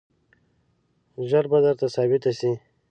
ژر به درته ثابته شي.